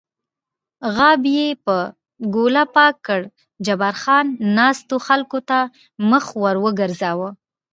غاب یې په ګوله پاک کړ، جبار خان ناستو خلکو ته مخ ور وګرځاوه.